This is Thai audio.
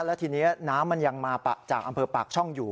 แล้วทีนี้น้ำมันยังมาจากอำเภอปากช่องอยู่